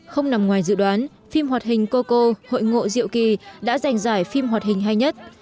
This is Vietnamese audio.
không nằm ngoài dự đoán phim hoạt hình côco hội ngộ diệu kỳ đã giành giải phim hoạt hình hay nhất